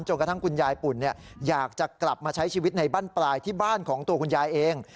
กระทั่งคุณยายปุ่นอยากจะกลับมาใช้ชีวิตในบ้านปลายที่บ้านของตัวคุณยายเอง